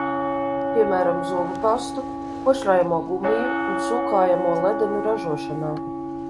Piemēram – zobu pastu, košļājamo gumiju un sūkājamo ledeņu ražošanā.